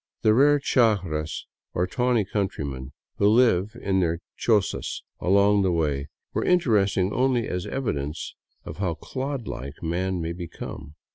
The rare chagras, or tawny countrymen, who live in their chozas along the way, were interesting only as evidence of how clod like man may become.